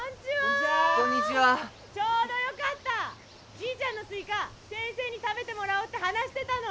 じいちゃんのスイカ先生に食べてもらおうって話してたの！